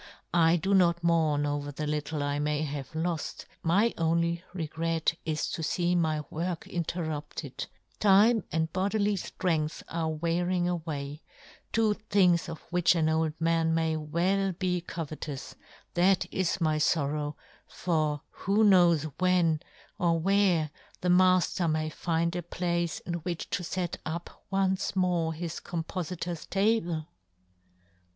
" I do not mourn over the little I " may have loft, my only regret is to " fee my work interrupted ; time " and bodily ftrength are wearing " away, two things of which an old " man may well be covetous, that is " my forrow, for who knows when, , yohn Gutenberg, 85 " or where, the Mafter may find a " place in which to fet up once more " his compofitor's table